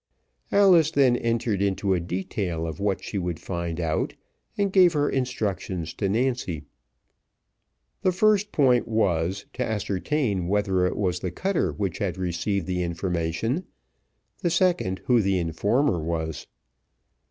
Alice then entered into a detail of what she would find out, and gave her instructions to Nancy. The first point was, to ascertain whether it was the cutter which had received the information; the second, who the informer was.